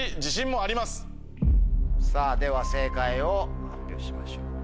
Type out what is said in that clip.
さぁでは正解を発表しましょう。